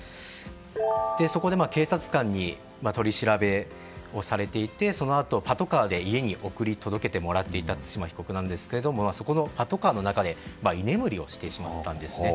そこで警察官に取り調べをされていてそのあとパトカーで家に送り届けてもらっていた対馬被告なんですがそこのパトカーの中で居眠りをしてしまったんですね。